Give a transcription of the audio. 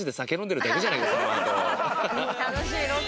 楽しいロケ！